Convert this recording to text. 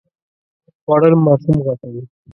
خوړل ماشوم غټوي